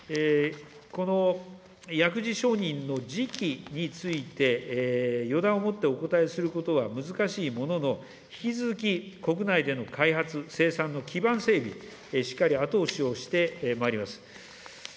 この薬事承認の時期について、予断をもってお答えすることは難しいものの、引き続き国内での開発、生産の基盤整備、しっかり後押しをしてまいります。